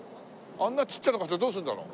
あんなちっちゃな傘どうするんだろう？